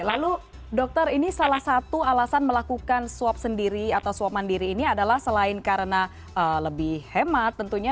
lalu dokter ini salah satu alasan melakukan swab sendiri atau swab mandiri ini adalah selain karena lebih hemat tentunya